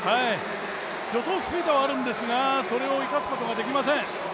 助走スピードはあるんですがそれを生かすことができません。